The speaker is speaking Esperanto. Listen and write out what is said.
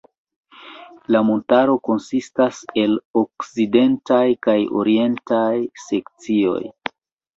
La montaro konsistas el okcidentaj kaj orientaj sekcioj.